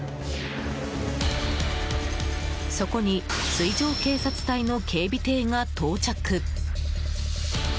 そこに水上警察隊の警備艇が到着。